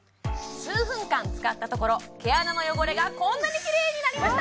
数分間使ったところ毛穴の汚れがこんなに綺麗になりました